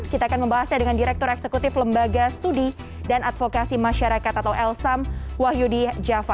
kita akan membahasnya dengan direktur eksekutif lembaga studi dan advokasi masyarakat atau lsam wahyudi jafa